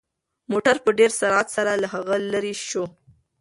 موټر په ډېر سرعت سره له هغه لرې شو.